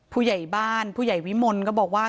ผู้ใหญ่บ้านผู้ใหญ่วิมลก็บอกว่า